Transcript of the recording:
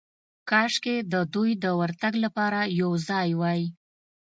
کاشکې د دوی د ورتګ لپاره یو ځای وای.